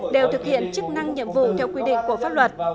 đều thực hiện chức năng nhiệm vụ theo quy định của pháp luật